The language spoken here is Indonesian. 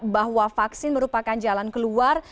bahwa vaksin merupakan jalan keluar